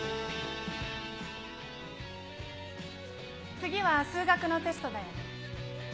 次は数学のテストだよね。